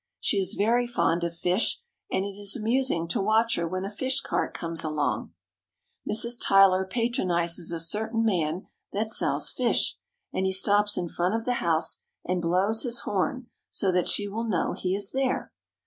She is very fond of fish, and it is amusing to watch her when a fish cart comes along. Mrs. Tyler patronizes a certain man that sells fish, and he stops in front of the house and blows his horn so that she will know he is there.